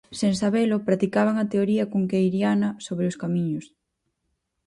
Sen sabelo practicaban a teoría cunqueiriana sobre os camiños.